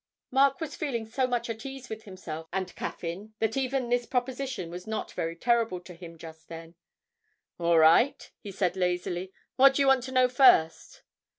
Mark was feeling so much at ease with himself and Caffyn that even this proposition was not very terrible to him just then. 'All right,' he said lazily; 'what do you want to know first?'